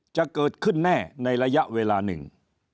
จะเกิดขึ้นแน่ในระยะเวลาหนึ่ง